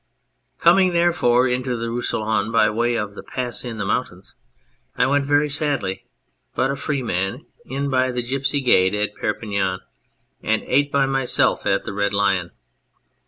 " Coming, therefore, into the Roussillon by way of the pass in the mountains, I went very sadly, but a free man, in by the Gypsies' Gate at Perpignan, and ate by myself at the Red Lion.